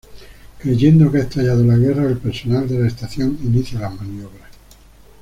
Creyendo que ha estallado la guerra el personal de la estación inicia las maniobras.